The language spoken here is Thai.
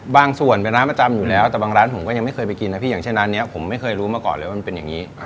บางส่วนเป็นร้านประจำอยู่แล้วแต่บางร้านผมก็ยังไม่เคยไปกินนะพี่อย่างเช่นร้านนี้ผมไม่เคยรู้มาก่อนเลยว่ามันเป็นอย่างนี้